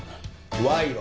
賄賂。